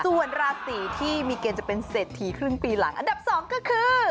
ส่วนราศีที่มีเกณฑ์จะเป็นเศรษฐีครึ่งปีหลังอันดับ๒ก็คือ